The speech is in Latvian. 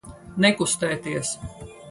Nekustēties!